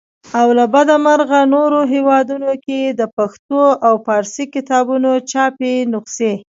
او له بده مرغه نورو هیوادونو کې د پښتو او فارسي کتابونو چاپي نخسې.